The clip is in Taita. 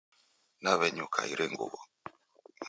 Nawenyuka iri nguwo